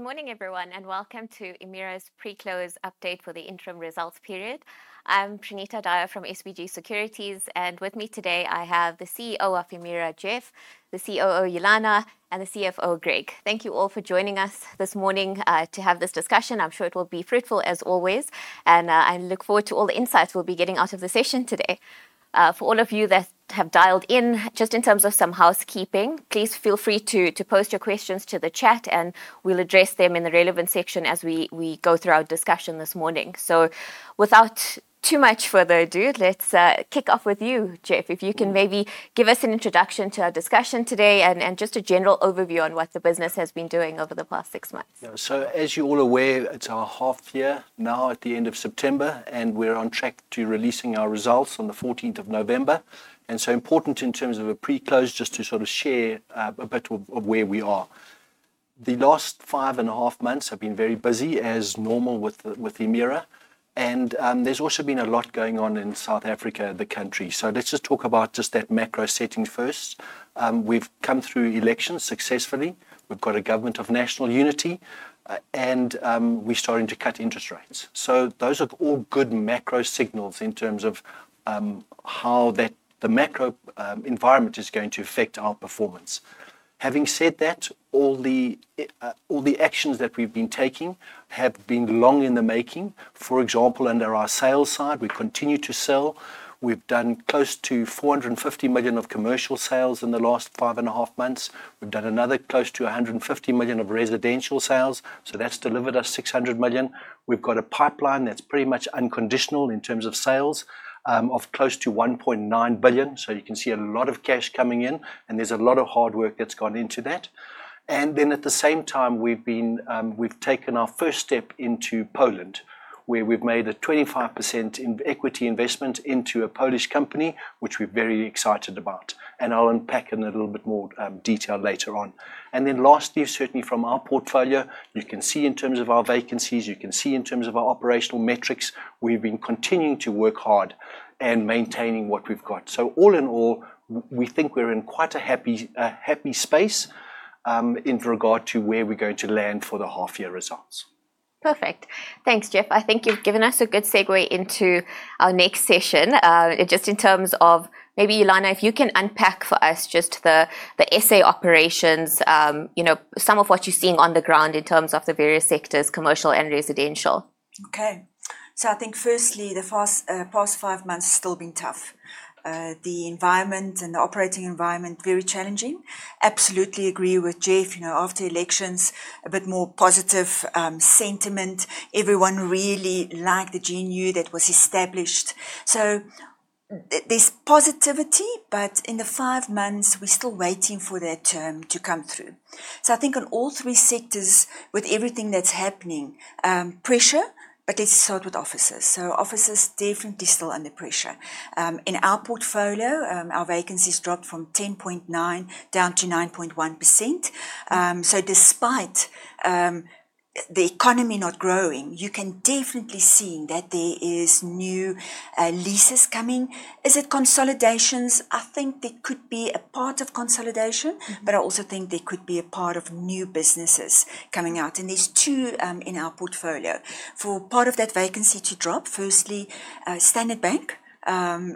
Good morning, everyone, and welcome to Emira's pre-close update for the interim results period. I'm Pranita Daya from SBG Securities, and with me today I have the CEO of Emira, Geoff; the COO, Ulana; and the CFO, Greg. Thank you all for joining us this morning to have this discussion. I'm sure it will be fruitful as always, and I look forward to all the insights we'll be getting out of the session today. For all of you that have dialed in, just in terms of some housekeeping, please feel free to post your questions to the chat, and we'll address them in the relevant section as we go through our discussion this morning. Without too much further ado, let's kick off with you, Geoff. If you can maybe give us an introduction to our discussion today and just a general overview on what the business has been doing over the past six months. Yeah. As you're all aware, it's our half year now at the end of September, and we're on track to releasing our results on the 14th of November. Important in terms of a pre-close, just to sort of share a bit of where we are. The last five and a half months have been very busy as normal with Emira, and there's also been a lot going on in South Africa, the country. Let's just talk about just that macro setting first. We've come through elections successfully. We've got a Government of National Unity, and we're starting to cut interest rates. Those are all good macro signals in terms of how the macro environment is going to affect our performance. Having said that, all the actions that we've been taking have been long in the making. For example, under our sales side, we continue to sell. We've done close to 450 million of commercial sales in the last five and a half months. We've done another close to 150 million of residential sales, so that's delivered us 600 million. We've got a pipeline that's pretty much unconditional in terms of sales of close to 1.9 billion. You can see a lot of cash coming in, and there's a lot of hard work that's gone into that. At the same time, we've taken our first step into Poland, where we've made a 25% equity investment into a Polish company, which we're very excited about. I'll unpack in a little bit more detail later on. Lastly, certainly from our portfolio, you can see in terms of our vacancies, you can see in terms of our operational metrics, we've been continuing to work hard and maintaining what we've got. All in all, we think we're in quite a happy space, in regard to where we're going to land for the half year results. Perfect. Thanks, Geoff. I think you've given us a good segue into our next session. Just in terms of maybe, Yolande, if you can unpack for us just the SA operations, you know, some of what you're seeing on the ground in terms of the various sectors, commercial and residential. Okay. I think firstly, the past five months have still been tough. The environment and the operating environment very challenging. Absolutely agree with Geoff. You know, after elections a bit more positive sentiment. Everyone really liked the GNU that was established. There's positivity, but in the five months we're still waiting for that turn to come through. I think on all three sectors with everything that's happening, pressure, but let's start with offices. Offices definitely still under pressure. In our portfolio, our vacancies dropped from 10.9% down to 9.1%. Despite the economy not growing, you can definitely see that there is new leases coming. Is it consolidations? I think there could be a part of consolidation. Mm-hmm... I also think there could be a part of new businesses coming out. There's two in our portfolio. For part of that vacancy to drop, firstly, Standard Bank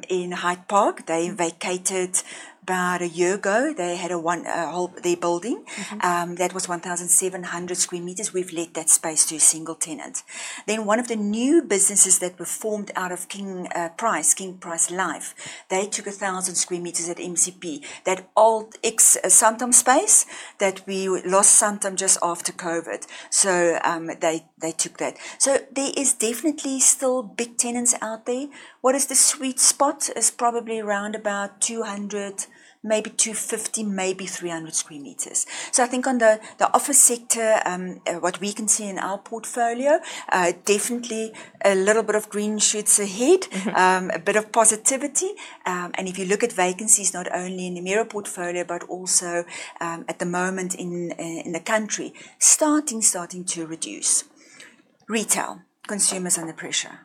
in Hyde Park, they vacated about a year ago. They had their building. Mm-hmm. That was 1,700 sq m. We've let that space to a single tenant. One of the new businesses that were formed out of King Price, King Price Life, they took 1,000 sq m at MCP. That old ex-Santam space that we lost Santam just after COVID, they took that. There is definitely still big tenants out there. What is the sweet spot? It is probably around about 200, maybe 250, maybe 300 sq m. I think on the office sector, what we can see in our portfolio, definitely a little bit of green shoots ahead. Mm-hmm. A bit of positivity. If you look at vacancies, not only in the Emira portfolio, but also at the moment in the country, starting to reduce. Retail. Consumers under pressure.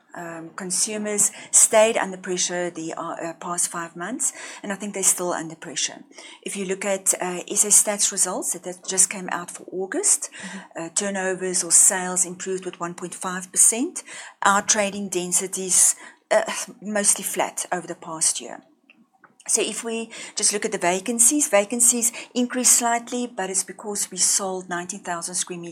Consumers stayed under pressure the past five months, and I think they're still under pressure. If you look at Stats SA results that just came out for August. Mm-hmm Turnovers or sales improved with 1.5%. Our trading density's mostly flat over the past year. If we just look at the vacancies increased slightly, but it's because we sold 90,000 sq m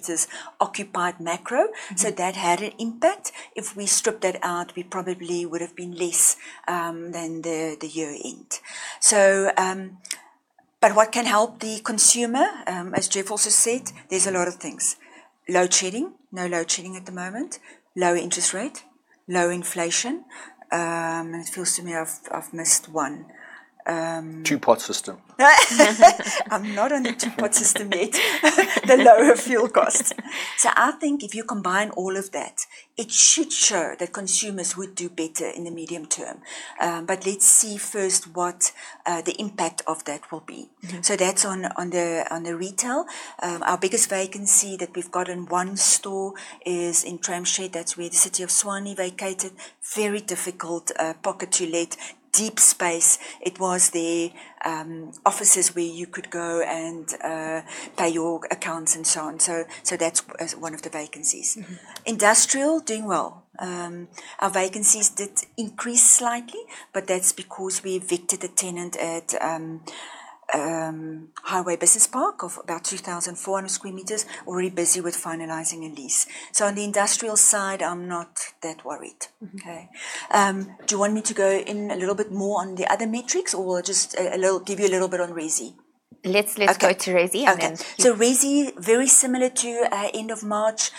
occupied macro- Mm-hmm That had an impact. If we strip that out, we probably would've been less than the year end. What can help the consumer, as Geoff also said, there's a lot of things. Load shedding. No load shedding at the moment. Low interest rate, low inflation. It feels to me I've missed one. Two-Pot System. I'm not on the Two-Pot System yet, the lower fuel cost. I think if you combine all of that, it should show that consumers would do better in the medium term. Let's see first what the impact of that will be. Mm-hmm. That's on the retail. Our biggest vacancy that we've got in one store is in Tramshed. That's where the City of Tshwane vacated. Very difficult pocket to let. Deep space. It was their offices where you could go and pay your accounts and so on. That's one of the vacancies. Mm-hmm. Industrial, doing well. Our vacancies did increase slightly, but that's because we evicted a tenant at Highway Business Park of about 2,400 sq m, already busy with finalizing a lease. On the industrial side, I'm not that worried. Mm-hmm. Okay. Do you want me to go in a little bit more on the other metrics, or just a little give you a little bit on resi? Let's go to resi- Okay... and then- Okay. Resi very similar to end of March.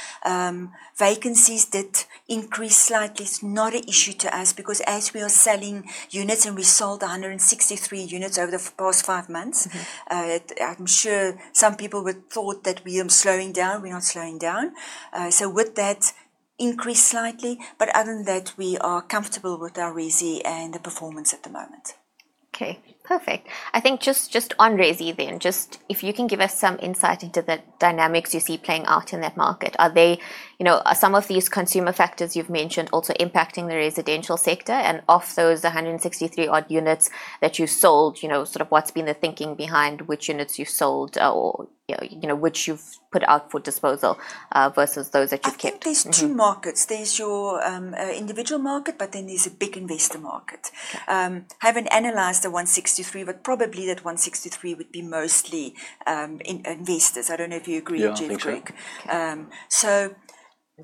Vacancies did increase slightly. It's not an issue to us because as we are selling units, and we sold 163 units over the past five months. Mm-hmm. I'm sure some people would thought that we are slowing down. We're not slowing down. With that increased slightly, but other than that, we are comfortable with our resi and the performance at the moment. Okay. Perfect. I think just on resi then, just if you can give us some insight into the dynamics you see playing out in that market. Are they, you know? Are some of these consumer factors you've mentioned also impacting the residential sector? Of those 163 odd units that you've sold, you know, sort of what's been the thinking behind which units you've sold or, you know, which you've put out for disposal versus those that you've kept? Mm-hmm. I think there's two markets. There's your individual market, but then there's a big investor market. I haven't analyzed the 163, but probably that 163 would be mostly in investors. I don't know if you agree, Geoff, Greg. Yeah, I agree. Okay. So that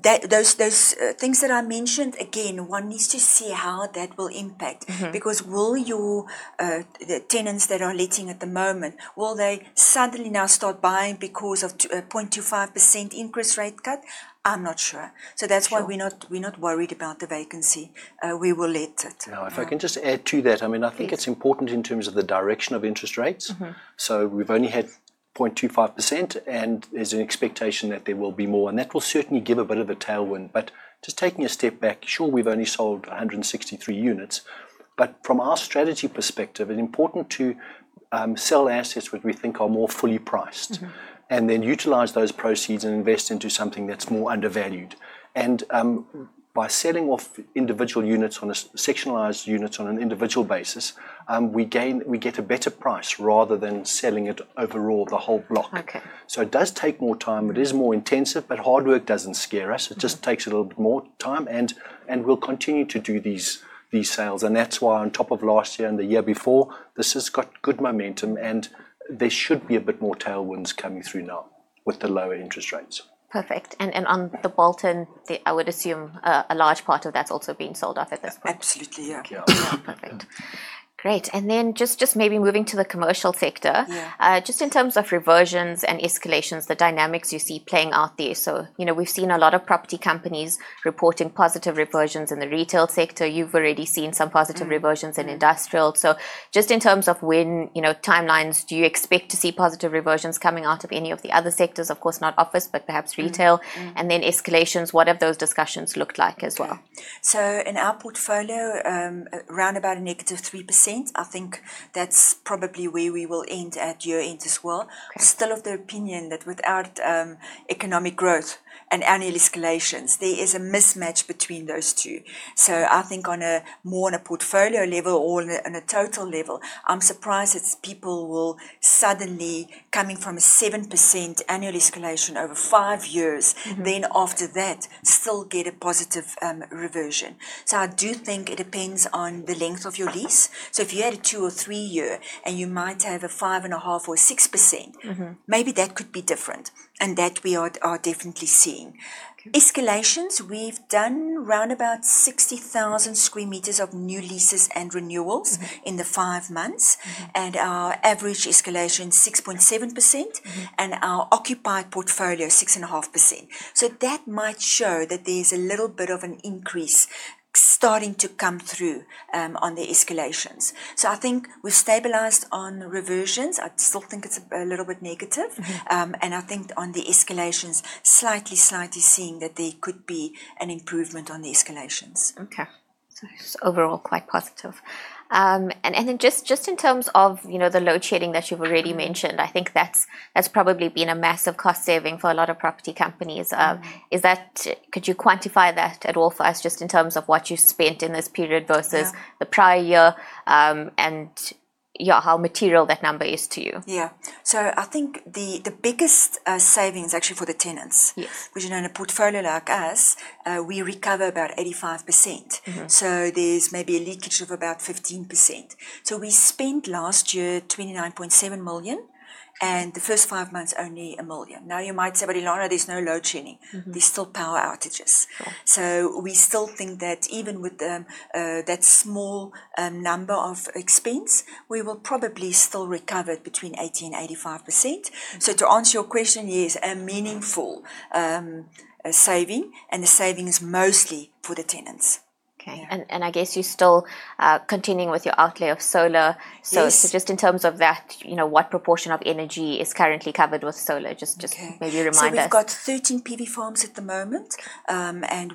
those things that I mentioned, again, one needs to see how that will impact. Mm-hmm. Because will your, the tenants that are letting at the moment, will they suddenly now start buying because of a 0.25% interest rate cut? I'm not sure. Sure. That's why we're not worried about the vacancy. We will let it. Now, if I can just add to that. I mean. Please I think it's important in terms of the direction of interest rates. Mm-hmm. We've only had 0.25%, and there's an expectation that there will be more, and that will certainly give a bit of a tailwind. Just taking a step back, sure, we've only sold 163 units, but from our strategy perspective, it's important to sell assets which we think are more fully priced. Mm-hmm then utilize those proceeds and invest into something that's more undervalued. Mm By selling off individual sectionalized units on an individual basis, we get a better price rather than selling it overall the whole block. Okay. It does take more time, it is more intensive, but hard work doesn't scare us. Mm-hmm. It just takes a little bit more time, and we'll continue to do these sales. That's why on top of last year and the year before, this has got good momentum, and there should be a bit more tailwinds coming through now with the lower interest rates. Perfect. On the Bolton, I would assume a large part of that's also been sold off at this point. Absolutely, yeah. Yeah. Perfect. Great. Just maybe moving to the commercial sector. Yeah. Just in terms of reversions and escalations, the dynamics you see playing out there. You know, we've seen a lot of property companies reporting positive reversions in the retail sector. You've already seen some positive- Mm-hmm Reversions in industrial. Mm-hmm. Just in terms of when, you know, timelines, do you expect to see positive reversions coming out of any of the other sectors, of course, not office, but perhaps retail? Mm-hmm. Escalations, what have those discussions looked like as well? In our portfolio, round about -3%. I think that's probably where we will end at year-end as well. Okay. I'm still of the opinion that without economic growth and annual escalations, there is a mismatch between those two. I think on a more portfolio level or on a total level, I'm surprised that people will suddenly coming from a 7% annual escalation over five years. Mm-hmm then after that still get a positive reversion. I do think it depends on the length of your lease. If you had a two or three year, and you might have a 5.5% or 6%- Mm-hmm Maybe that could be different, and that we are definitely seeing. Okay. Escalations, we've done around 60,000 sq m of new leases and renewals. Mm-hmm in the five months. Mm-hmm. Our average escalation 6.7%. Mm-hmm. Our occupied portfolio 6.5%. That might show that there's a little bit of an increase starting to come through on the escalations. I think we've stabilized on reversions. I still think it's a little bit negative. Mm-hmm. I think on the escalations, slightly seeing that there could be an improvement on the escalations. Okay. Just overall quite positive. Just in terms of, you know, the load shedding that you've already mentioned, I think that's probably been a massive cost saving for a lot of property companies. Mm-hmm Is that, could you quantify that at all for us just in terms of what you've spent in this period versus Yeah... the prior year, and, yeah, how material that number is to you? I think the biggest savings actually for the tenants. Yes. Which in a portfolio like us, we recover about 85%. Mm-hmm. There's maybe a leakage of about 15%. We spent last year 29.7 million, and the first five months only 1 million. Now you might say, "But Ilana, there's no load shedding. Mm-hmm. There's still power outages. Yeah. We still think that even with that small number of expense, we will probably still recover between 80%-85%. Mm-hmm. To answer your question, yes, a meaningful saving, and the saving is mostly for the tenants. Okay. Yeah. I guess you're still continuing with your outlay of solar. Yes. Just in terms of that, you know, what proportion of energy is currently covered with solar? Just Okay Maybe remind us. We've got 13 PV farms at the moment.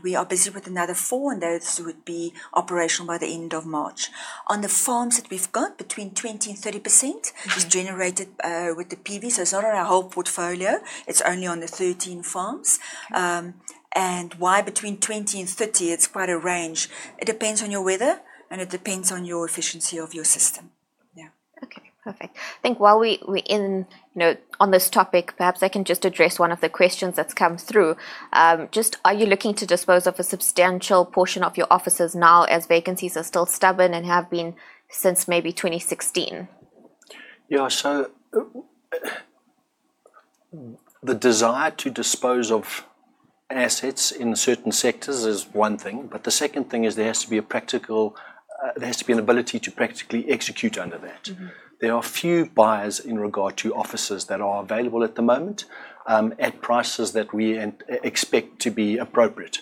We are busy with another four, and those would be operational by the end of March. On the farms that we've got, between 20%-30%. Mm-hmm is generated with the PV. It's not on our whole portfolio, it's only on the 13 farms. Okay. Why between 20 and 30? It's quite a range. It depends on your weather, and it depends on your efficiency of your system. Okay. Perfect. I think while we're in, you know, on this topic, perhaps I can just address one of the questions that's come through. Just are you looking to dispose of a substantial portion of your offices now as vacancies are still stubborn and have been since maybe 2016? Yeah. The desire to dispose of assets in certain sectors is one thing, but the second thing is there has to be an ability to practically execute under that. Mm-hmm. There are few buyers in regard to offices that are available at the moment, at prices that we expect to be appropriate.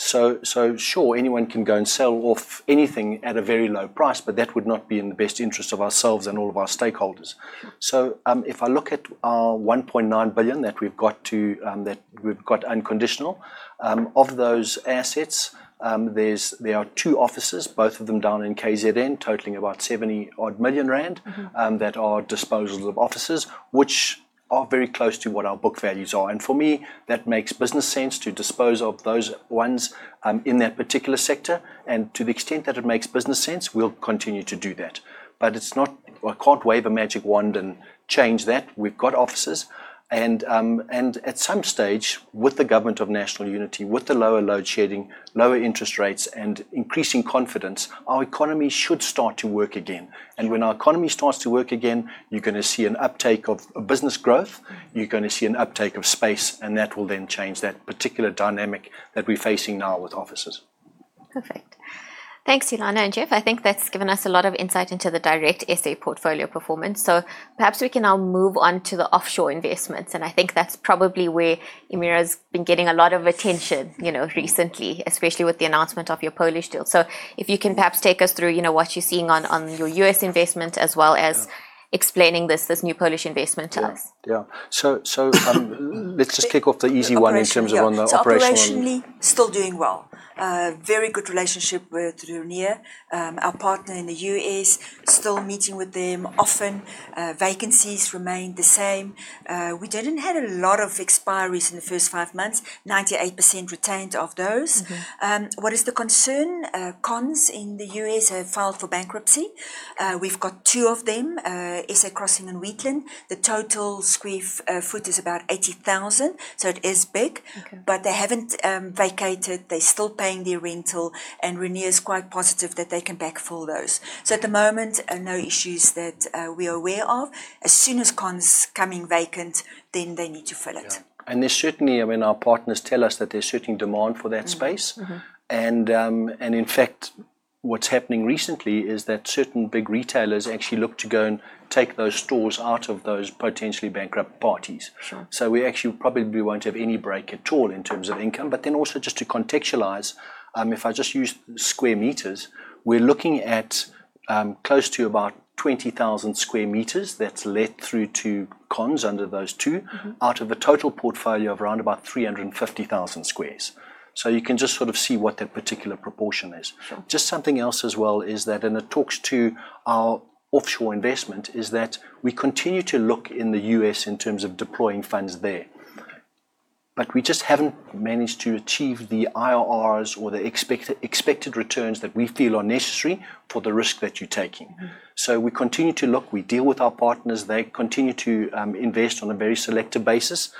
Sure, anyone can go and sell off anything at a very low price, but that would not be in the best interest of ourselves and all of our stakeholders. If I look at our 1.9 billion that we've got unconditional of those assets, there are two offices, both of them down in KZN, totaling about 70 million rand. Mm-hmm... that are disposals of offices, which are very close to what our book values are. For me, that makes business sense to dispose of those ones, in that particular sector, and to the extent that it makes business sense, we'll continue to do that. It's not. I can't wave a magic wand and change that. We've got offices and at some stage, with the Government of National Unity, with the lower load shedding, lower interest rates, and increasing confidence, our economy should start to work again. When our economy starts to work again, you're gonna see an uptake of business growth- Mm-hmm You're gonna see an uptake of space, and that will then change that particular dynamic that we're facing now with offices. Perfect. Thanks, Ulana and Geoff. I think that's given us a lot of insight into the direct SA portfolio performance. Perhaps we can now move on to the offshore investments, and I think that's probably where Emira's been getting a lot of attention, you know, recently. Especially with the announcement of your Polish deal. If you can perhaps take us through, you know, what you're seeing on your U.S. investment, as well as explaining this new Polish investment to us. Yeah. Let's just kick off the easy one in terms of on the operational. Operationally, yeah. Operationally, still doing well. Very good relationship with Rainier, our partner in the U.S. Still meeting with them often. Vacancies remain the same. We didn't have a lot of expiries in the first five months. 98% retained of those. Mm-hmm. What is the concern? Conn's in the U.S. have filed for bankruptcy. We've got two of them, Summit Woods Crossing and Wheatland. The total square foot is about 80,000 sq ft, so it is big. Okay. They haven't vacated. They're still paying their rental, and Rainier is quite positive that they can backfill those. At the moment, no issues that we're aware of. As soon as Conn's coming vacant, then they need to fill it. Yeah. There's certainly, I mean, our partners tell us that there's certainly demand for that space. Mm-hmm. Mm-hmm. In fact, what's happening recently is that certain big retailers actually look to go and take those stores out of those potentially bankrupt parties. Sure. We actually probably won't have any break at all in terms of income. Also just to contextualize, if I just use square meters, we're looking at close to about 20,000 sq m that's let through to Conn's under those two. Mm-hmm Out of a total portfolio of around about 350,000 squares. You can just sort of see what that particular proportion is. Sure. Just something else as well is that, and it talks to our offshore investment, is that we continue to look in the U.S. in terms of deploying funds there. Okay. We just haven't managed to achieve the IRRs or the expected returns that we feel are necessary for the risk that you're taking. Mm-hmm. We continue to look, we deal with our partners, they continue to invest on a very selective basis.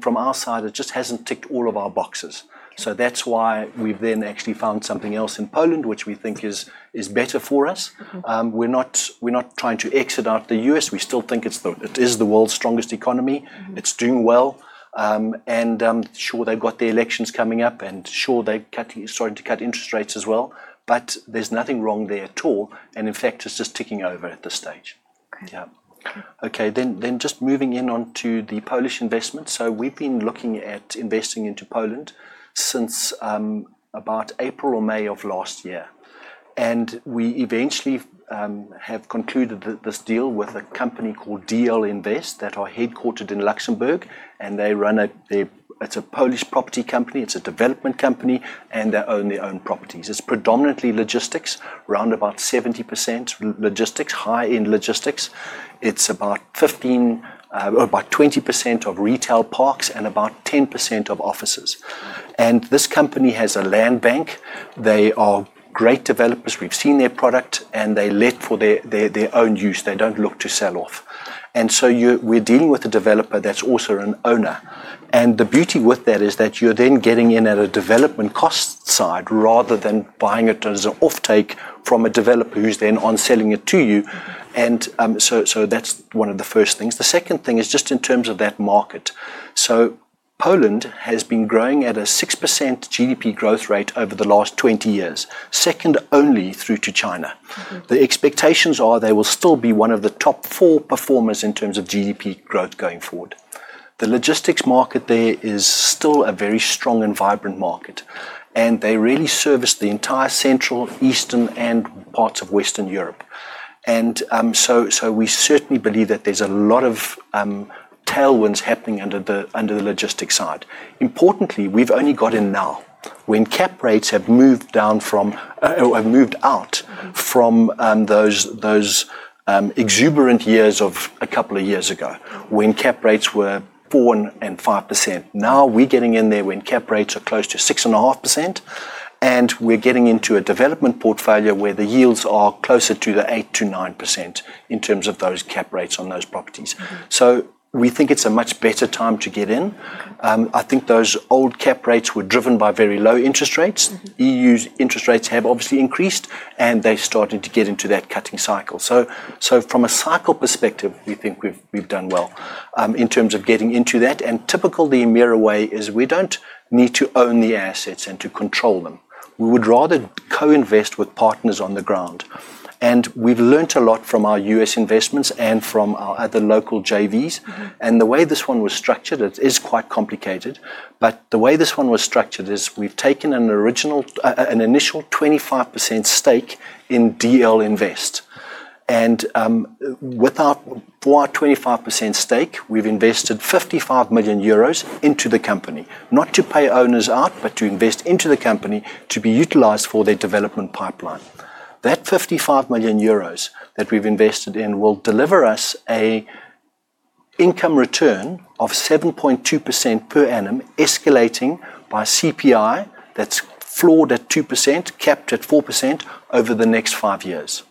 From our side, it just hasn't ticked all of our boxes. That's why we've then actually found something else in Poland, which we think is better for us. Mm-hmm. We're not trying to exit out the U.S. We still think it is the world's strongest economy. Mm-hmm. It's doing well. Sure, they've got the elections coming up, and sure, they're starting to cut interest rates as well, but there's nothing wrong there at all. In fact, it's just ticking over at this stage. Okay. Yeah. Okay. Just moving in onto the Polish investment. We've been looking at investing into Poland since about April or May of last year. We eventually have concluded this deal with a company called DL Invest Group that are headquartered in Luxembourg. It's a Polish property company, it's a development company, and they own their own properties. It's predominantly logistics, around about 70% logistics, high-end logistics. It's about 15%, about 20% of retail parks and about 10% of offices. This company has a land bank. They are great developers. We've seen their product, and they let for their own use. They don't look to sell off. We're dealing with a developer that's also an owner. The beauty with that is that you're then getting in at a development cost side rather than buying it as an offtake from a developer who's then on selling it to you. Mm-hmm. That's one of the first things. The second thing is just in terms of that market. Poland has been growing at a 6% GDP growth rate over the last 20 years, second only to China. Mm-hmm. The expectations are they will still be one of the top four performers in terms of GDP growth going forward. The logistics market there is still a very strong and vibrant market, and they really service the entire Central, Eastern, and parts of Western Europe. We certainly believe that there's a lot of tailwinds happening under the logistics side. Importantly, we've only got in now, when cap rates have moved out. Mm-hmm... from those exuberant years of a couple of years ago. Mm-hmm When cap rates were 4% and 5%. Now we're getting in there when cap rates are close to 6.5%, and we're getting into a development portfolio where the yields are closer to the 8%-9% in terms of those cap rates on those properties. Mm-hmm. We think it's a much better time to get in. Okay. I think those old cap rates were driven by very low interest rates. Mm-hmm. EU's interest rates have obviously increased, and they're starting to get into that cutting cycle. From a cycle perspective, we think we've done well in terms of getting into that. Typically the Emira way is we don't need to own the assets and to control them. We would rather co-invest with partners on the ground. We've learned a lot from our U.S. investments and from our other local JVs. Mm-hmm. The way this one was structured is quite complicated. We've taken an initial 25% stake in DL Invest. For our 25% stake, we've invested 55 million euros into the company, not to pay owners out, but to invest into the company to be utilized for their development pipeline. That 55 million euros that we've invested will deliver us an income return of 7.2% per annum escalating by CPI that's floored at 2%, capped at 4% over the next five years.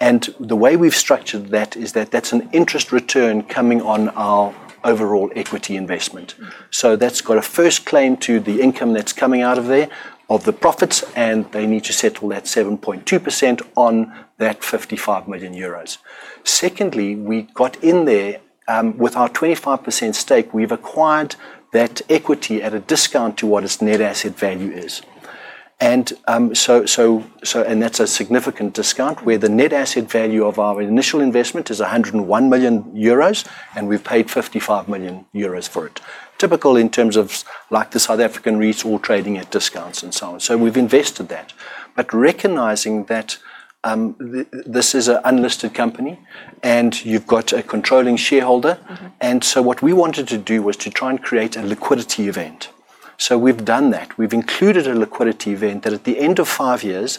The way we've structured that is that that's an interest return coming on our overall equity investment. Mm. That's got a first claim to the income that's coming out of there, of the profits, and they need to settle that 7.2% on that 55 million euros. Secondly, we got in there with our 25% stake. We've acquired that equity at a discount to what its net asset value is. That's a significant discount, where the net asset value of our initial investment is 101 million euros, and we've paid 55 million euros for it. Typical in terms of like the South African retail trading at discounts and so on. We've invested that. Recognizing that, this is an unlisted company, and you've got a controlling shareholder. Mm-hmm. What we wanted to do was to try and create a liquidity event. We've done that. We've included a liquidity event that at the end of five years,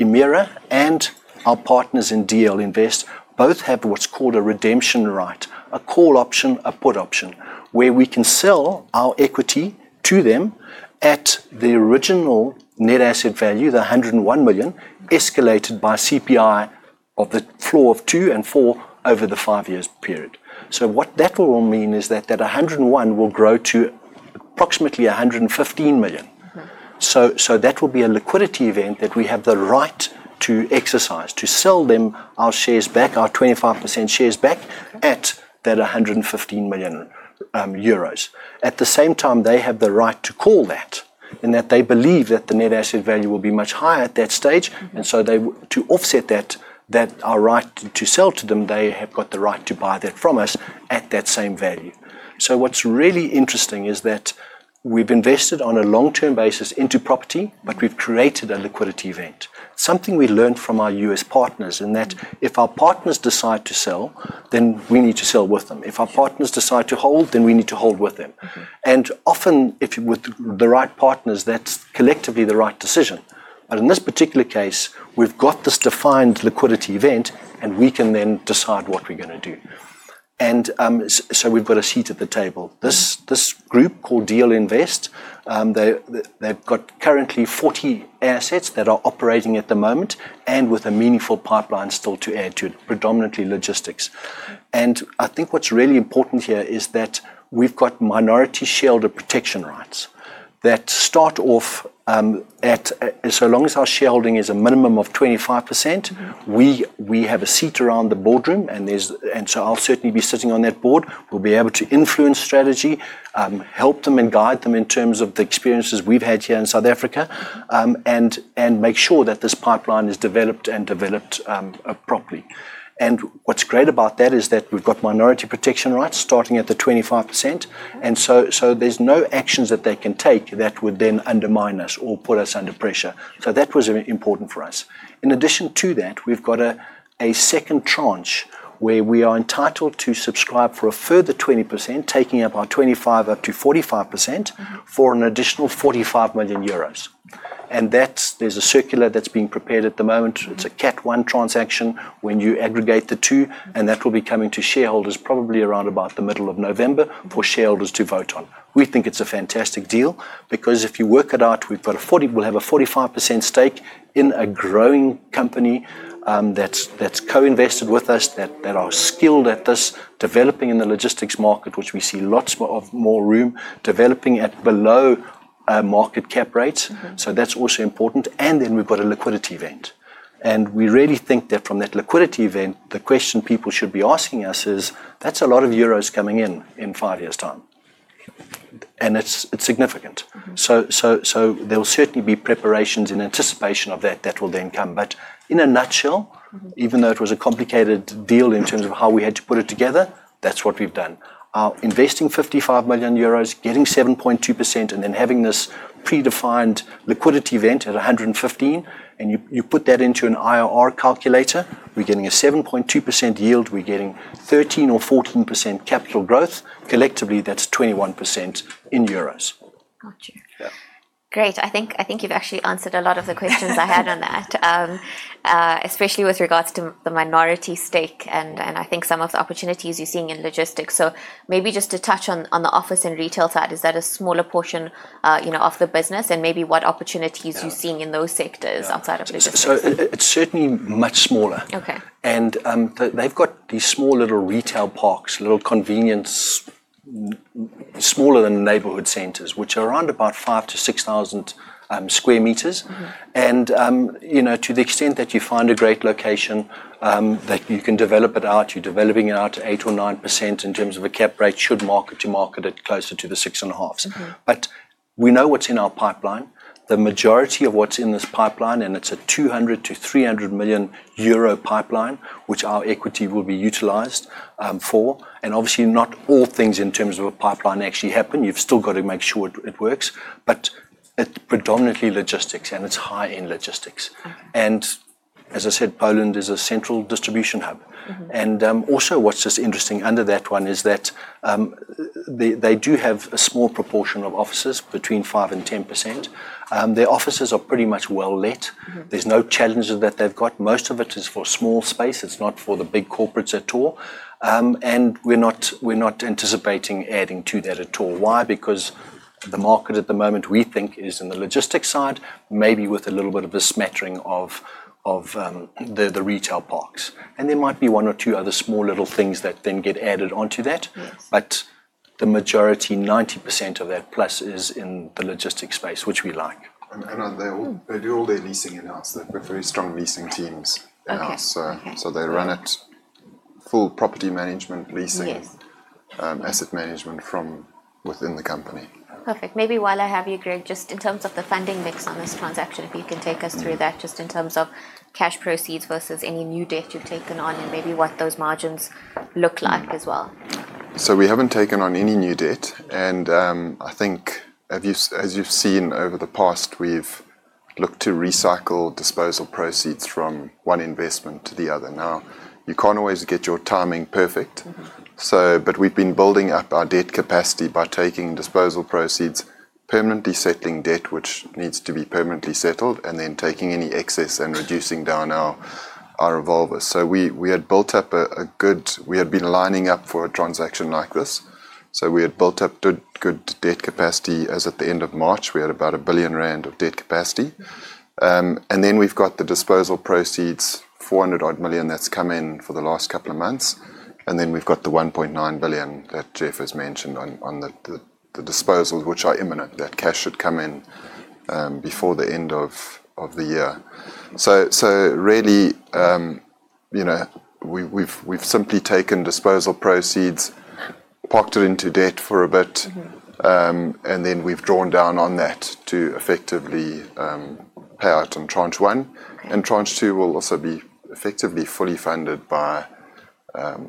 Emira and our partners in DL Invest both have what's called a redemption right, a call option, a put option, where we can sell our equity to them at the original net asset value, the 101 million, escalated by CPI or the floor of 2.4% over the five-year period. What that will all mean is that the 101 million will grow to approximately 115 million. Mm-hmm. that will be a liquidity event that we have the right to exercise, to sell them our shares back, our 25% shares back. Okay... at that 115 million euros. At the same time, they have the right to call that, in that they believe that the net asset value will be much higher at that stage. Mm-hmm. To offset that, our right to sell to them, they have got the right to buy that from us at that same value. What's really interesting is that we've invested on a long-term basis into property, but we've created a liquidity event, something we learned from our U.S. partners in that if our partners decide to sell, then we need to sell with them. If our partners decide to hold, then we need to hold with them. Mm-hmm. Often, if you're with the right partners, that's collectively the right decision. In this particular case, we've got this defined liquidity event, and we can then decide what we're gonna do. Yeah. We've got a seat at the table. This group called DL Invest, they've got currently 40 assets that are operating at the moment and with a meaningful pipeline still to add to, predominantly logistics. Mm-hmm. I think what's really important here is that we've got minority shareholder protection rights so long as our shareholding is a minimum of 25%- Mm-hmm We have a seat around the boardroom, and so I'll certainly be sitting on that board. We'll be able to influence strategy, help them and guide them in terms of the experiences we've had here in South Africa, and make sure that this pipeline is developed properly. What's great about that is that we've got minority protection rights starting at 25%. Mm-hmm. There's no actions that they can take that would then undermine us or put us under pressure. That was important for us. In addition to that, we've got a second tranche where we are entitled to subscribe for a further 20%, taking up our 25% up to 45%. Mm-hmm... for an additional 45 million euros. There's a circular that's being prepared at the moment. It's a Category one transaction when you aggregate the two, and that will be coming to shareholders probably around about the middle of November for shareholders to vote on. We think it's a fantastic deal because if you work it out, we'll have a 45% stake in a growing company that's co-invested with us that are skilled at this, developing in the logistics market, which we see lots more room, developing at below market cap rates. Mm-hmm. That's also important. Then we've got a liquidity event. We really think that from that liquidity event, the question people should be asking us is, that's a lot of euros coming in in five years' time. It's significant. There will certainly be preparations in anticipation of that will then come. In a nutshell- Mm-hmm... even though it was a complicated deal in terms of how we had to put it together, that's what we've done. Investing 55 million euros, getting 7.2%, and then having this predefined liquidity event at 115, and you put that into an IRR calculator, we're getting a 7.2% yield, we're getting 13% or 14% capital growth. Collectively, that's 21% in euros. Got you. Yeah. Great. I think you've actually answered a lot of the questions I had on that. Especially with regards to the minority stake and I think some of the opportunities you're seeing in logistics. Maybe just to touch on the office and retail side, is that a smaller portion, you know, of the business? Maybe what opportunities? You're seeing in those sectors outside of logistics. Yeah. It's certainly much smaller. Okay. They've got these small little retail parks, little convenience centers, smaller than the neighborhood centers, which are around 5,000-6,000 sq m. Mm-hmm. You know, to the extent that you find a great location that you can develop it out, you're developing it out to 8% or 9% in terms of a cap rate should mark to market at closer to the 6.5%. Mm-hmm. We know what's in our pipeline. The majority of what's in this pipeline, and it's a 200 million-300 million euro pipeline, which our equity will be utilized for, and obviously not all things in terms of a pipeline actually happen. You've still gotta make sure it works. It's predominantly logistics, and it's high-end logistics. Mm-hmm. As I said, Poland is a central distribution hub. Also what's just interesting under that one is that they do have a small proportion of offices between 5%-10%. Their offices are pretty much well let. Mm-hmm. There's no challenges that they've got. Most of it is for small space. It's not for the big corporates at all. We're not anticipating adding to that at all. Why? Because the market at the moment, we think is in the logistics side, maybe with a little bit of a smattering of the retail parks. There might be one or two other small little things that then get added onto that. Yes. The majority, 90% of that plus is in the logistics space, which we like. Mm. They do all their leasing in-house. They've got very strong leasing teams in-house. Okay. They run it full property management, leasing. Yes asset management from within the company. Perfect. Maybe while I have you, Greg, just in terms of the funding mix on this transaction, if you can take us through that just in terms of cash proceeds versus any new debt you've taken on and maybe what those margins look like as well. We haven't taken on any new debt, and I think as you've seen over the past, we've looked to recycle disposal proceeds from one investment to the other. Now, you can't always get your timing perfect. Mm-hmm. We've been building up our debt capacity by taking disposal proceeds, permanently settling debt which needs to be permanently settled, and then taking any excess and reducing down our revolvers. We had built up a good debt capacity. We had been lining up for a transaction like this, so we had built up good debt capacity. As at the end of March, we had about 1 billion rand of debt capacity. We've got the disposal proceeds, 400 million, that's come in for the last couple of months. We've got the 1.9 billion that Geoff has mentioned on the disposals which are imminent. That cash should come in before the end of the year. Really, you know, we've simply taken disposal proceeds, parked it into debt for a bit. Mm-hmm. We've drawn down on that to effectively pay out on tranche one. Right. Tranche two will also be effectively fully funded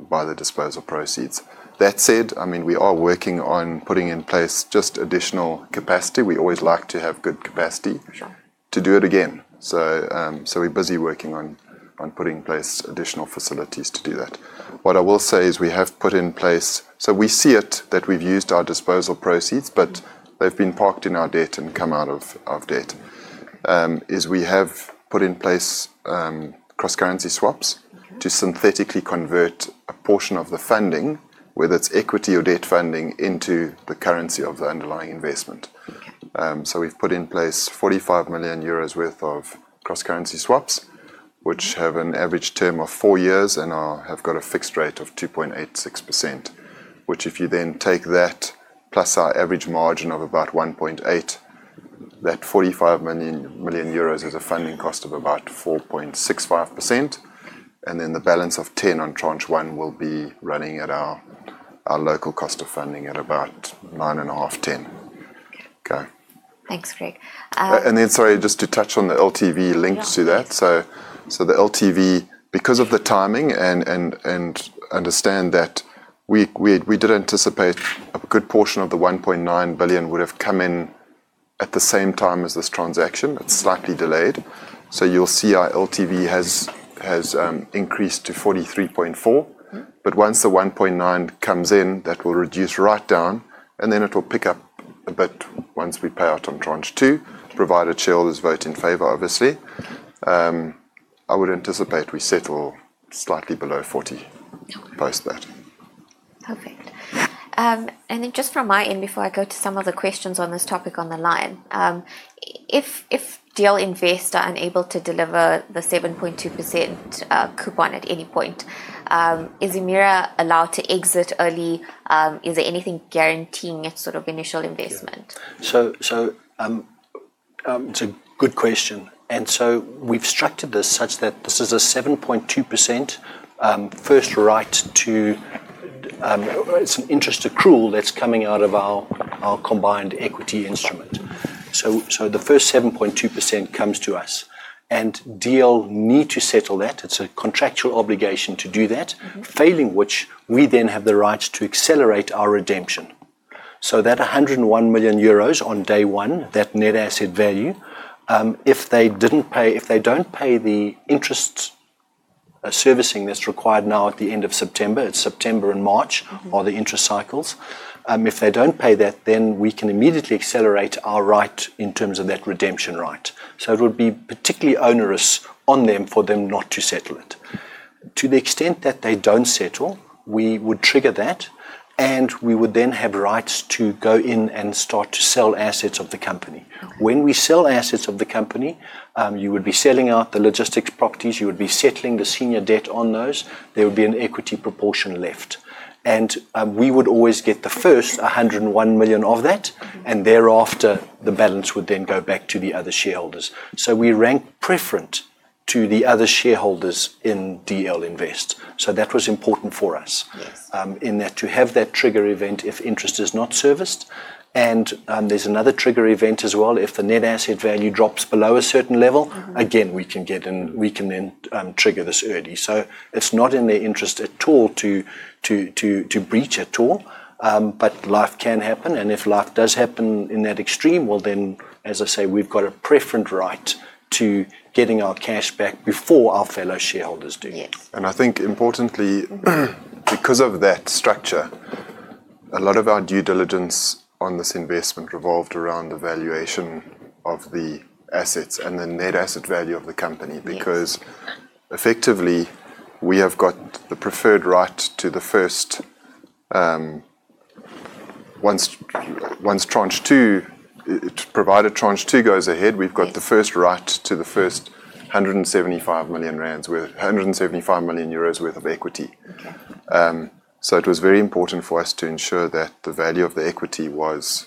by the disposal proceeds. That said, I mean, we are working on putting in place just additional capacity. We always like to have good capacity. Sure To do it again. We're busy working on putting in place additional facilities to do that. What I will say is we have put in place. We see it that we've used our disposal proceeds, but they've been parked in our debt and come out of debt, is we have put in place cross-currency swaps. Okay to synthetically convert a portion of the funding, whether it's equity or debt funding, into the currency of the underlying investment. Okay. We've put in place 45 million euros worth of cross-currency swaps, which have an average term of 4 years and have got a fixed rate of 2.86%, which if you then take that plus our average margin of about 1.8%, that 45 million has a funding cost of about 4.65%, and then the balance of 10 on tranche one will be running at our local cost of funding at about 9.5%-10%. Okay. Okay. Thanks, Greg. Sorry, just to touch on the LTV linked to that. Yeah. The LTV, because of the timing and understand that we did anticipate a good portion of the 1.9 billion would have come in at the same time as this transaction. It's slightly delayed. You'll see our LTV has increased to 43.4%. Mm-hmm. Once the 1.9 comes in, that will reduce right down, and then it'll pick up a bit once we pay out on tranche 2, provided shareholders vote in favor, obviously. I would anticipate we settle slightly below 40% post that. Okay. Just from my end, before I go to some of the questions on this topic on the line, if DL Invest are unable to deliver the 7.2% coupon at any point, is Emira allowed to exit early? Is there anything guaranteeing its sort of initial investment? Yeah, it's a good question. We've structured this such that this is a 7.2% interest accrual that's coming out of our combined equity instrument. The first 7.2% comes to us, and DL need to settle that. It's a contractual obligation to do that. Mm-hmm. Failing which, we then have the right to accelerate our redemption. That 101 million euros on day one, that net asset value, if they don't pay the interest servicing that's required now at the end of September, it's September and March. Mm-hmm are the interest cycles, if they don't pay that, then we can immediately accelerate our right in terms of that redemption right. It would be particularly onerous on them for them not to settle it. To the extent that they don't settle, we would trigger that, and we would then have rights to go in and start to sell assets of the company. When we sell assets of the company, you would be selling out the logistics properties, you would be settling the senior debt on those. There would be an equity proportion left. We would always get the first 101 million of that, and thereafter, the balance would then go back to the other shareholders. We rank preference to the other shareholders in DL Invest. That was important for us. Yes... in that to have that trigger event if interest is not serviced. There's another trigger event as well. If the net asset value drops below a certain level. Mm-hmm Again, we can get in. We can then trigger this early. It's not in their interest at all to breach at all. Life can happen, and if life does happen in that extreme, well then, as I say, we've got a preference right to getting our cash back before our fellow shareholders do. Yes. I think importantly. Mm-hmm Because of that structure, a lot of our due diligence on this investment revolved around the valuation of the assets and the net asset value of the company. Yes. Because effectively, we have got the preferred right to the first. Provided tranche two goes ahead, we've got the first right to the first 175 million rand worth, 175 million euros worth of equity. It was very important for us to ensure that the value of the equity was.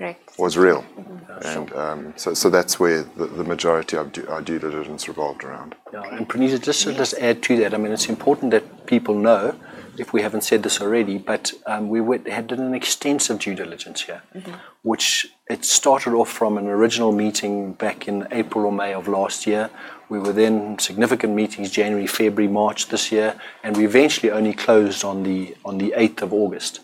Okay. Was real. Mm-hmm. Sure. That's where the majority of our due diligence revolved around. Okay. Yeah, Pranita, just to- Yeah Just add to that. I mean, it's important that people know, if we haven't said this already, but we had done an extensive due diligence here. Mm-hmm. Which it started off from an original meeting back in April or May of last year. We were then significant meetings January, February, March this year, and we eventually only closed on the 8th of August.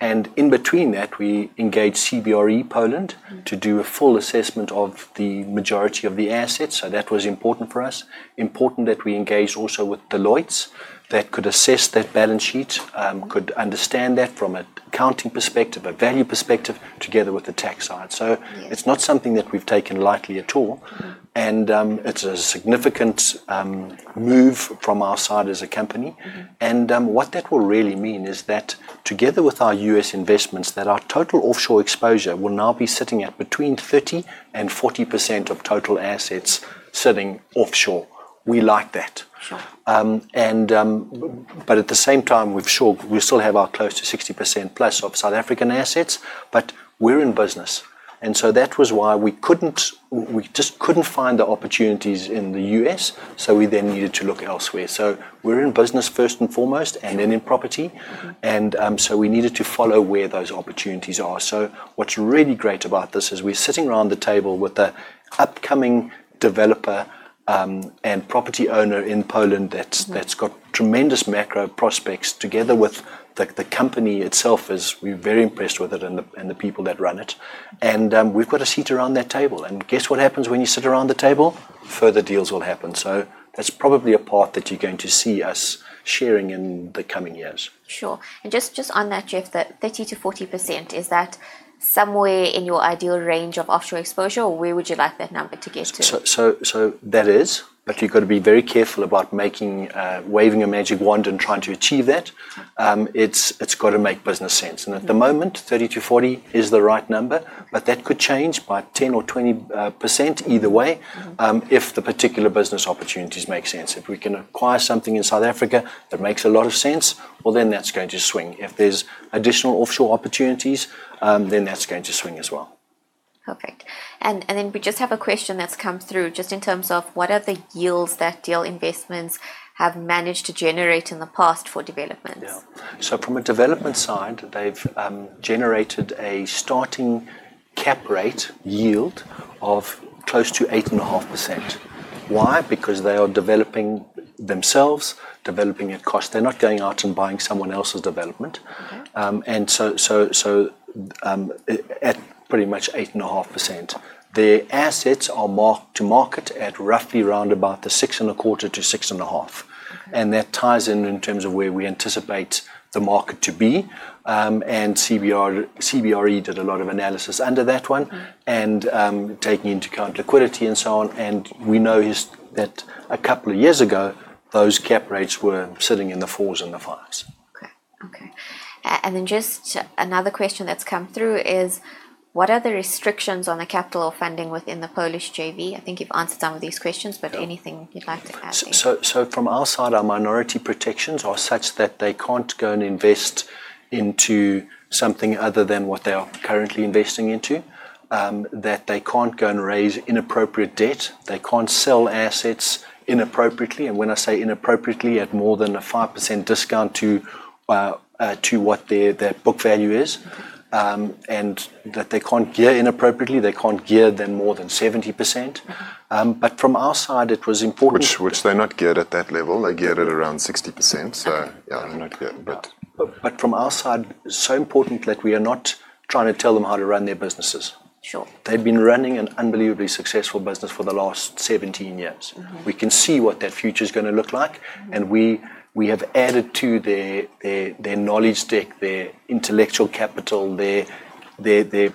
In between that, we engaged CBRE Poland. Mm-hmm... to do a full assessment of the majority of the assets. That was important for us. It was important that we engage also with Deloitte, that could assess that balance sheet, could understand that from an accounting perspective, a value perspective, together with the tax side. Yeah. It's not something that we've taken lightly at all. Mm-hmm. It's a significant move from our side as a company. Mm-hmm. What that will really mean is that together with our U.S. investments, that our total offshore exposure will now be sitting at between 30% and 40% of total assets sitting offshore. We like that. Sure. We still have our close to 60% plus of South African assets, but we're in business. That was why we just couldn't find the opportunities in the U.S., so we then needed to look elsewhere. We're in business first and foremost, and then in property. Mm-hmm. We needed to follow where those opportunities are. What's really great about this is we're sitting around the table with an upcoming developer and property owner in Poland that's- Mm-hmm That's got tremendous macro prospects together with the company itself is. We're very impressed with it and the people that run it. We've got a seat around that table, and guess what happens when you sit around the table? Further deals will happen. That's probably a path that you're going to see us sharing in the coming years. Sure. Just on that, Geoff, that 30%-40%, is that somewhere in your ideal range of offshore exposure, or where would you like that number to get to? You've gotta be very careful about waving a magic wand and trying to achieve that. Okay. It's gotta make business sense. Mm-hmm. At the moment, 30-40 is the right number, but that could change by 10% or 20% either way. Mm-hmm If the particular business opportunities make sense. If we can acquire something in South Africa that makes a lot of sense, well, then that's going to swing. If there's additional offshore opportunities, then that's going to swing as well. Okay. We just have a question that's come through just in terms of what are the yields that DL Investments have managed to generate in the past for developments? Yeah. From a development side, they've generated a starting cap rate yield of close to 8.5%. Why? Because they are developing themselves, developing at cost. They're not going out and buying someone else's development. Okay. At pretty much 8.5%. Their assets are marked to market at roughly around about the 6.25%-6.5%. Okay. That ties in terms of where we anticipate the market to be. CBRE did a lot of analysis under that one. Okay. Taking into account liquidity and so on, and we noticed that a couple of years ago, those cap rates were sitting in the fours and the fives. Okay, okay. Just another question that's come through is what are the restrictions on the capital funding within the Polish JV? I think you've answered some of these questions. Anything you'd like to add there. From our side, our minority protections are such that they can't go and invest into something other than what they are currently investing into, that they can't go and raise inappropriate debt, they can't sell assets inappropriately. When I say inappropriately, at more than a 5% discount to what their book value is. And that they can't gear inappropriately, they can't gear them more than 70%. Mm-hmm From our side, it was important. Which they're not geared at that level. They're geared at around 60%, so yeah, they're not geared, but. From our side, so important that we are not trying to tell them how to run their businesses. Sure. They've been running an unbelievably successful business for the last 17 years. Mm-hmm. We can see what that future's gonna look like. Mm-hmm We have added to their knowledge deck, their intellectual capital, their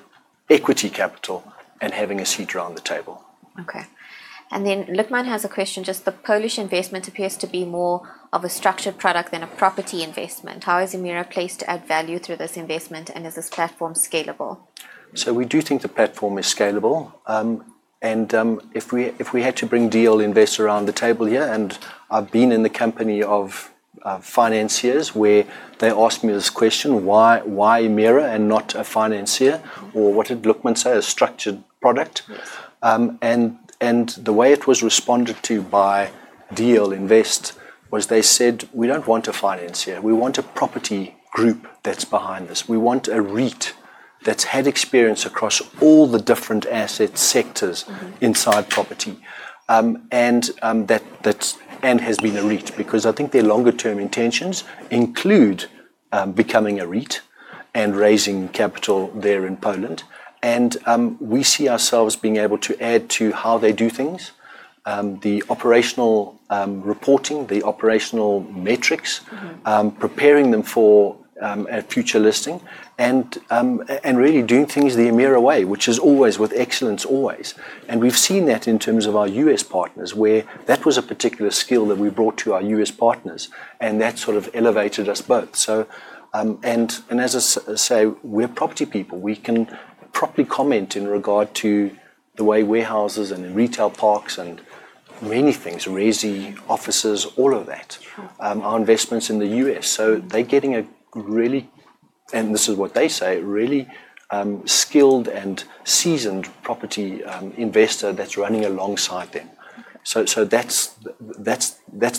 equity capital, and having a seat around the table. Okay. Luqman has a question. Just the Polish investment appears to be more of a structured product than a property investment. How is Emira placed to add value through this investment, and is this platform scalable? We do think the platform is scalable. If we had to bring DL Invest around the table here, and I've been in the company of financiers where they asked me this question. Why Emira and not a financier? Or what did Luqman say? A structured product. Yes. The way it was responded to by DL Invest was they said, We don't want a financier. We want a property group that's behind this. We want a REIT that's had experience across all the different asset sectors. Mm-hmm. Inside property has been a REIT. Because I think their longer term intentions include becoming a REIT and raising capital there in Poland. We see ourselves being able to add to how they do things, the operational reporting, the operational metrics. Mm-hmm. Preparing them for a future listing and really doing things the Emira way, which is always with excellence, always. We've seen that in terms of our U.S. partners, where that was a particular skill that we brought to our U.S. partners, and that sort of elevated us both. As I say, we're property people. We can properly comment in regard to the way warehouses and retail parks and many things, resi, offices, all of that. Sure. Our investments in the U.S. They're getting a really, and this is what they say, really, skilled and seasoned property investor that's running alongside them. That's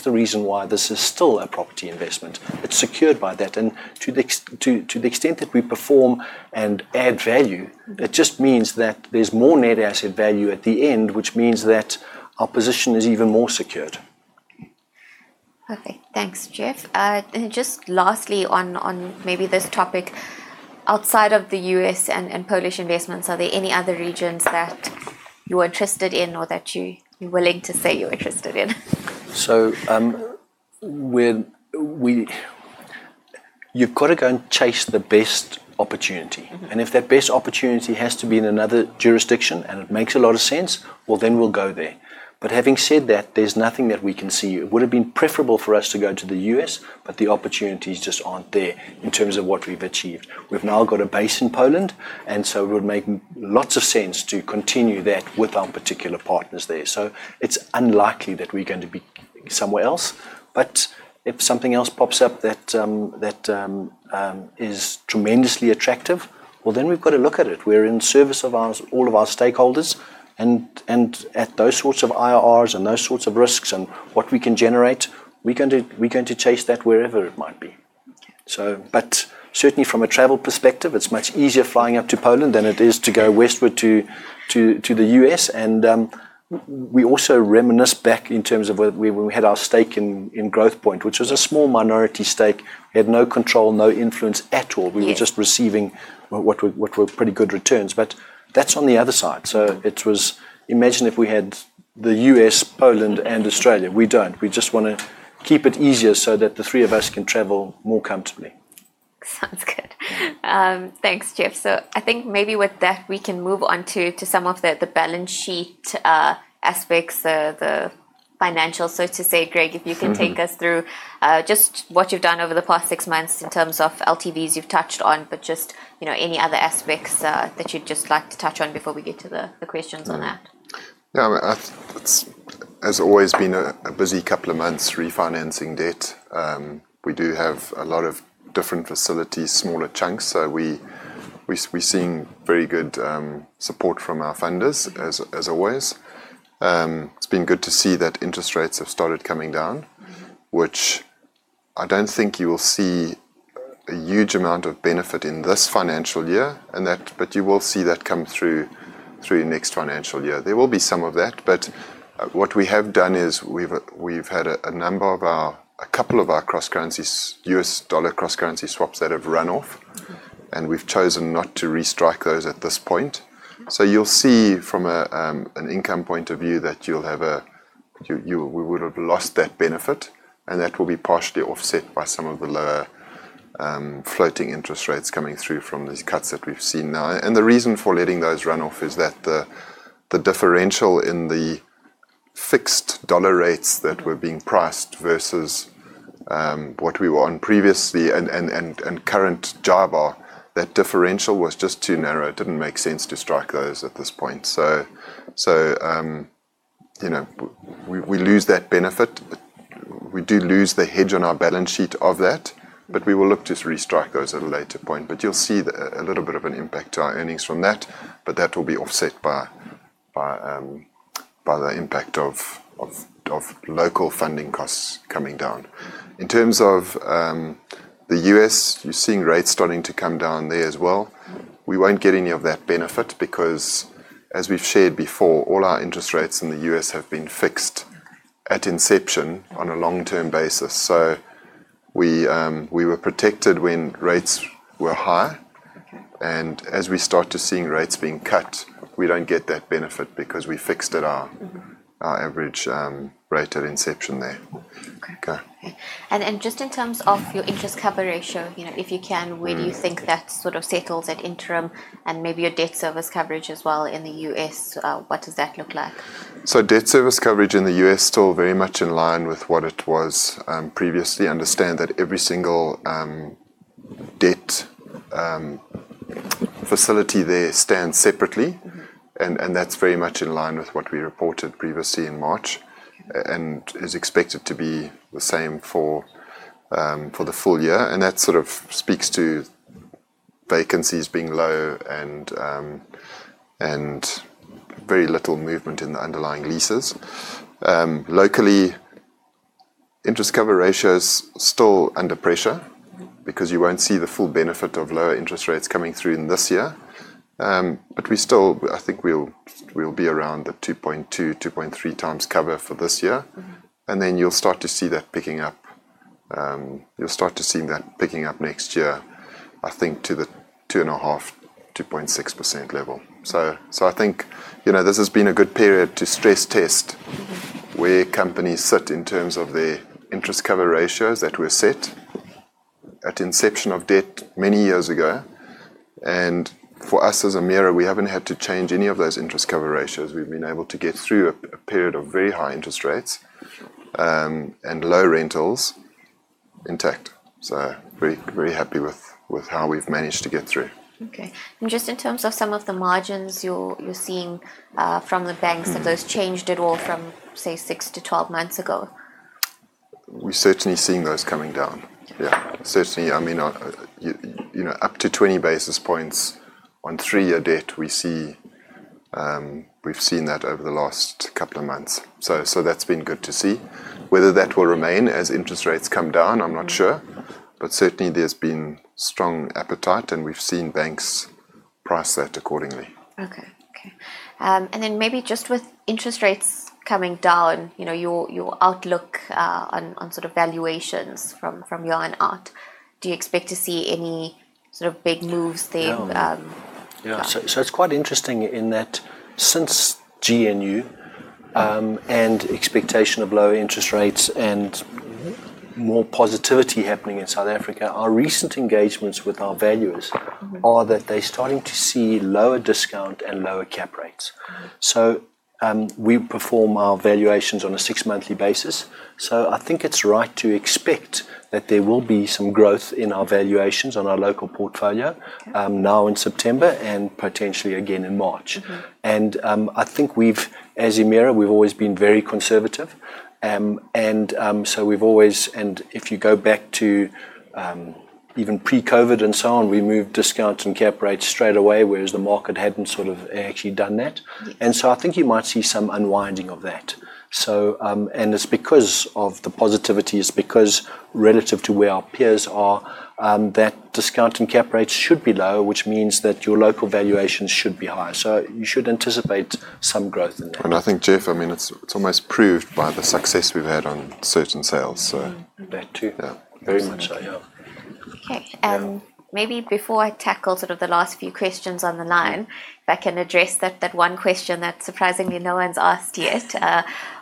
the reason why this is still a property investment. It's secured by that. To the extent that we perform and add value. Mm-hmm. It just means that there's more net asset value at the end, which means that our position is even more secured. Okay. Thanks, Geoff. And just lastly on maybe this topic. Outside of the U.S. and Polish investments, are there any other regions that you're interested in or that you're willing to say you're interested in? You've gotta go and chase the best opportunity. Mm-hmm. If that best opportunity has to be in another jurisdiction, and it makes a lot of sense, well, then we'll go there. Having said that, there's nothing that we can see. It would have been preferable for us to go to the U.S., but the opportunities just aren't there in terms of what we've achieved. We've now got a base in Poland, and so it would make lots of sense to continue that with our particular partners there. It's unlikely that we're gonna be somewhere else. If something else pops up that is tremendously attractive, well, then we've gotta look at it. We're in service of our all of our stakeholders and at those sorts of IRRs and those sorts of risks and what we can generate, we're going to chase that wherever it might be. Certainly from a travel perspective, it's much easier flying up to Poland than it is to go westward to the U.S. We also reminisce back in terms of where we had our stake in Growthpoint, which was a small minority stake. We had no control, no influence at all. Yeah. We were just receiving what were pretty good returns. That's on the other side. Mm-hmm. Imagine if we had the U.S., Poland, and Australia. We don't. We just wanna keep it easier so that the three of us can travel more comfortably. Sounds good. Thanks, Geoff. I think maybe with that we can move on to some of the balance sheet aspects, the financials, so to say. Greg, if you can take us through- Mm-hmm. Just what you've done over the past six months in terms of LTVs you've touched on, but just, you know, any other aspects that you'd just like to touch on before we get to the questions on that? Yeah, I mean, it has always been a busy couple of months refinancing debt. We do have a lot of different facilities, smaller chunks. We're seeing very good support from our funders as always. It's been good to see that interest rates have started coming down. Mm-hmm. Which I don't think you will see a huge amount of benefit in this financial year and that, but you will see that come through through next financial year. There will be some of that, but what we have done is we've had a number of our. A couple of our cross-currency swaps, U.S. dollar cross-currency swaps that have run off. Mm-hmm. We've chosen not to restrike those at this point. You'll see from an income point of view that we would've lost that benefit and that will be partially offset by some of the lower floating interest rates coming through from these cuts that we've seen now. The reason for letting those run off is that the differential in the fixed dollar rates that were being priced versus what we were on previously and current JIBAR, that differential was just too narrow. It didn't make sense to strike those at this point. You know, we lose that benefit. We do lose the hedge on our balance sheet of that, but we will look to restrike those at a later point. You'll see a little bit of an impact to our earnings from that, but that will be offset by the impact of local funding costs coming down. In terms of the U.S., you're seeing rates starting to come down there as well. We won't get any of that benefit because as we've shared before, all our interest rates in the U.S. have been fixed. At inception on a long-term basis. We were protected when rates were high. Okay. As we start seeing rates being cut, we don't get that benefit because we fixed at our- Mm-hmm. our average rate at inception there. Okay. Just in terms of your interest cover ratio, you know, if you can- Mm. Where do you think that sort of settles at interim, and maybe your debt service coverage as well in the U.S., what does that look like? Debt service coverage in the U.S. still very much in line with what it was, previously. Understand that every single debt facility there stands separately. Mm-hmm. That's very much in line with what we reported previously in March. Is expected to be the same for the full year, and that sort of speaks to vacancies being low and very little movement in the underlying leases. Locally, interest cover ratio is still under pressure. Mm-hmm Because you won't see the full benefit of lower interest rates coming through in this year. We still, I think, we'll be around the 2.2x-2.3x cover for this year. Mm-hmm. You'll start to see that picking up next year, I think to the 2.5%-2.6% level. I think, you know, this has been a good period to stress test where companies sit in terms of their interest cover ratios that were set at inception of debt many years ago. For us as Emira, we haven't had to change any of those interest cover ratios. We've been able to get through a period of very high interest rates. And low rentals intact. Very, very happy with how we've managed to get through. Okay. Just in terms of some of the margins you're seeing from the banks. Mm Have those changed at all from, say, six to 12 months ago? We're certainly seeing those coming down. Okay. Yeah. Certainly, I mean, you know, up to 20 basis points on three-year debt, we've seen that over the last couple of months. That's been good to see. Whether that will remain as interest rates come down, I'm not sure. Mm-hmm. Certainly there's been strong appetite, and we've seen banks price that accordingly. Maybe just with interest rates coming down, you know, your outlook on sort of valuations from your own portfolio, do you expect to see any sort of big moves there? No. Yeah. Yeah. It's quite interesting in that since GNU and expectation of lower interest rates and more positivity happening in South Africa, our recent engagements with our valuers are that they're starting to see lower discount and lower cap rates. Mm-hmm. We perform our valuations on a six-monthly basis. I think it's right to expect that there will be some growth in our valuations on our local portfolio. Okay Now in September and potentially again in March. Mm-hmm. I think as Emira, we've always been very conservative. If you go back to even pre-COVID and so on, we moved discounts and cap rates straight away, whereas the market hadn't sort of actually done that. Yeah. I think you might see some unwinding of that. It's because of the positivity, it's because relative to where our peers are, that discount and cap rates should be low, which means that your local valuations should be high. You should anticipate some growth in that. I think, Geoff, I mean, it's almost proved by the success we've had on certain sales, so. Mm-hmm. That too. Yeah. Very much so, yeah. Okay. Maybe before I tackle sort of the last few questions on the line, if I can address that one question that surprisingly no one's asked yet,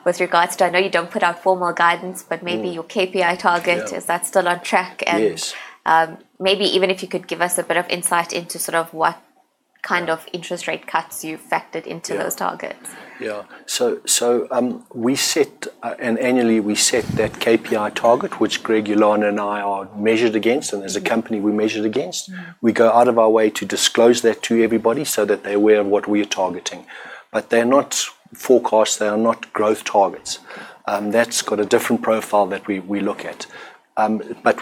with regards to. I know you don't put out formal guidance. Mm Maybe your KPI target. Yeah Is that still on track? Yes Maybe even if you could give us a bit of insight into sort of what kind of interest rate cuts you've factored into those targets? Yeah, annually, we set that KPI target, which Greg, Ulana, and I are measured against, and as a company, we're measured against. Mm-hmm. We go out of our way to disclose that to everybody so that they're aware of what we are targeting. They're not forecasts, they are not growth targets. Okay. That's got a different profile that we look at.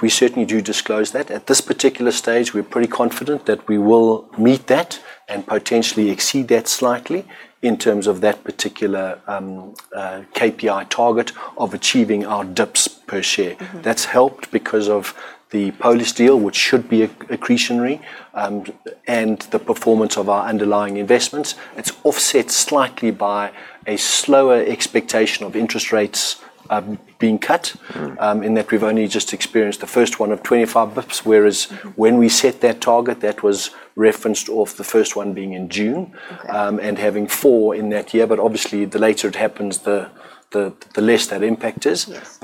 We certainly do disclose that. At this particular stage, we're pretty confident that we will meet that and potentially exceed that slightly in terms of that particular KPI target of achieving our DIPs per share. Mm-hmm. That's helped because of the Polish deal, which should be accretionary, and the performance of our underlying investments. It's offset slightly by a slower expectation of interest rates being cut. Mm. In that we've only just experienced the first one of 25 basis points, whereas when we set that target, that was referenced off the first one being in June. Okay. having four in that year. Obviously the later it happens, the less that impact is. Yes.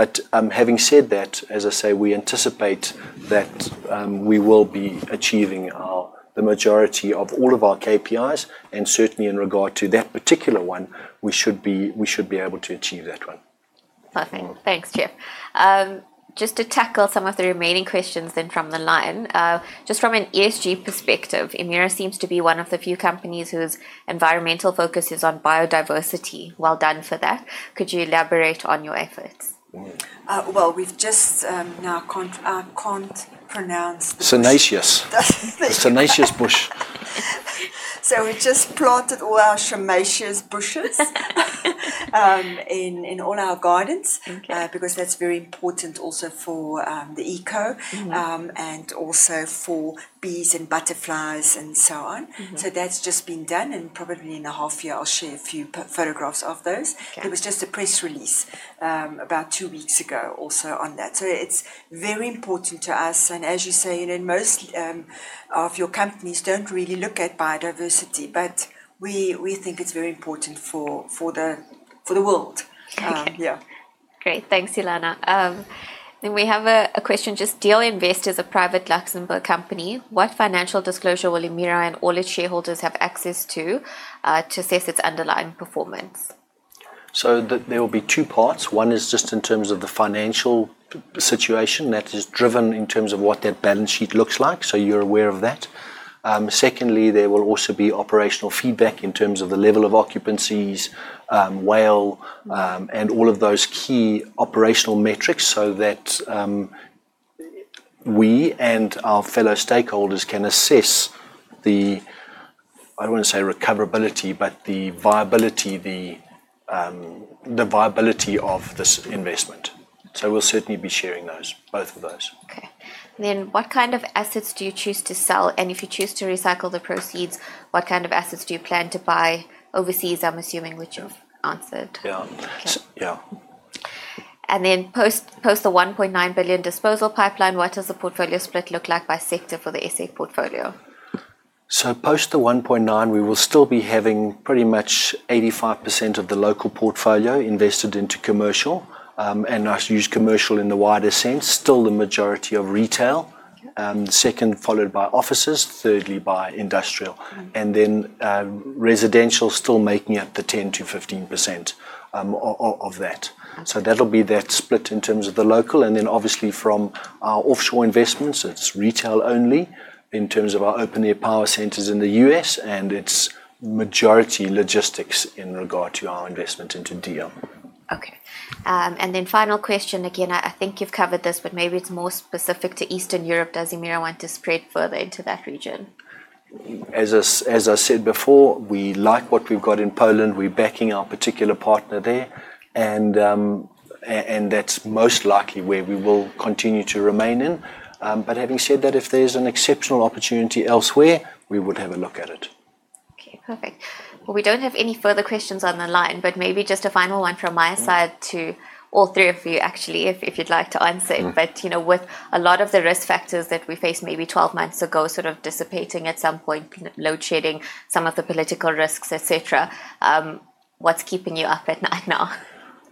having said that, as I say, we anticipate that we will be achieving the majority of all of our KPIs, and certainly in regard to that particular one, we should be able to achieve that one. Perfect. Thanks, Geoff. Just to tackle some of the remaining questions then from the line. Just from an ESG perspective, Emira seems to be one of the few companies whose environmental focus is on biodiversity. Well done for that. Could you elaborate on your efforts? Well, I can't pronounce this. Spekboom. The spekboom bush. We just planted all our spekboom bushes in all our gardens. Okay. Because that's very important also for the eco- Mm-hmm And also for bees and butterflies and so on. Mm-hmm. That's just been done, and probably in a half year I'll share a few photographs of those. Okay. There was just a press release about two weeks ago also on that. It's very important to us, and as you say, you know, most of your companies don't really look at biodiversity. We think it's very important for the world. Yeah. Great. Thanks, Ulana. We have a question: Just DL Invest is a private Luxembourg company. What financial disclosure will Emira and all its shareholders have access to assess its underlying performance? There will be two parts. One is just in terms of the financial position that is driven in terms of what that balance sheet looks like, so you're aware of that. Secondly, there will also be operational feedback in terms of the level of occupancies, WAL, and all of those key operational metrics so that we and our fellow stakeholders can assess the, I don't wanna say recoverability, but the viability of this investment. We'll certainly be sharing those, both of those. Okay. What kind of assets do you choose to sell? If you choose to recycle the proceeds, what kind of assets do you plan to buy overseas, I'm assuming, which you've answered. Yeah. Okay. Yeah. Post the 1.9 billion disposal pipeline, what does the portfolio split look like by sector for the SA portfolio? Post the 1.9, we will still be having pretty much 85% of the local portfolio invested into commercial. I use commercial in the wider sense. Still the majority of retail. Okay. Second followed by offices, thirdly by industrial. Mm-hmm. Residential still making up 10%-15% of that. Okay. That'll be that split in terms of the local. Obviously from our offshore investments, it's retail only in terms of our open-air power centers in the U.S., and it's majority logistics in regard to our investment into DL. Okay. Final question. Again, I think you've covered this, but maybe it's more specific to Eastern Europe. Does Emira want to spread further into that region? As I said before, we like what we've got in Poland. We're backing our particular partner there, and that's most likely where we will continue to remain in. Having said that, if there's an exceptional opportunity elsewhere, we would have a look at it. Okay. Perfect. Well, we don't have any further questions on the line, but maybe just a final one from my side to all three of you actually, if you'd like to answer? Mm-hmm. You know, with a lot of the risk factors that we faced maybe 12 months ago sort of dissipating at some point, you know, load shedding some of the political risks, et cetera, what's keeping you up at night now?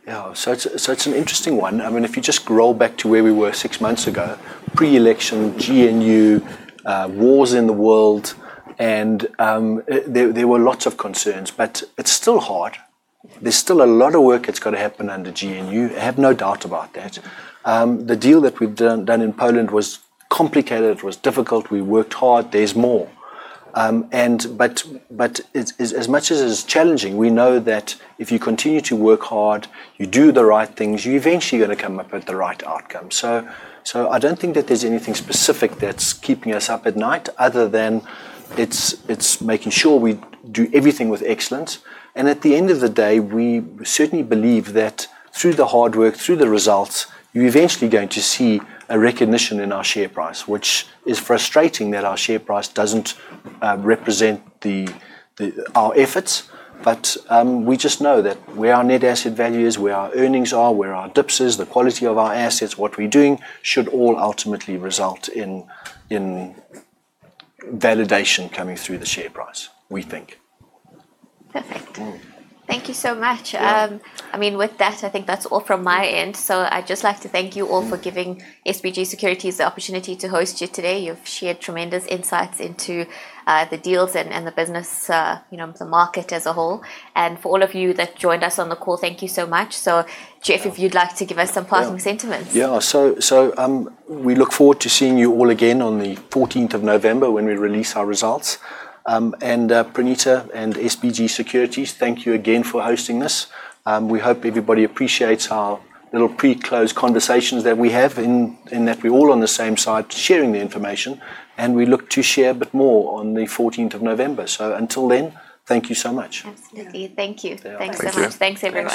Yeah. It's an interesting one. I mean, if you just roll back to where we were six months ago, pre-election, GNU, wars in the world, and there were lots of concerns. It's still hard. There's still a lot of work that's gotta happen under GNU. I have no doubt about that. The deal that we've done in Poland was complicated. It was difficult. We worked hard. There's more. But as much as it's challenging, we know that if you continue to work hard, you do the right things, you're eventually gonna come up with the right outcome. I don't think that there's anything specific that's keeping us up at night other than it's making sure we do everything with excellence. At the end of the day, we certainly believe that through the hard work, through the results, you're eventually going to see a recognition in our share price, which is frustrating that our share price doesn't represent our efforts. We just know that where our net asset value is, where our earnings are, where our DIPs is, the quality of our assets, what we're doing should all ultimately result in validation coming through the share price, we think. Perfect. Mm-hmm. Thank you so much. Yeah. I mean, with that, I think that's all from my end. I'd just like to thank you all for giving SBG Securities the opportunity to host you today. You've shared tremendous insights into the deals and the business, you know, the market as a whole. For all of you that joined us on the call, thank you so much. Geoff, if you'd like to give us some parting sentiments. We look forward to seeing you all again on the 14th of November when we release our results. Pranita and SBG Securities, thank you again for hosting this. We hope everybody appreciates our little pre-close conversations that we have in that we're all on the same side sharing the information, and we look to share a bit more on the 14th of November. Until then, thank you so much. Absolutely. Thank you. Yeah. Thanks so much. Thank you. Thanks, everyone.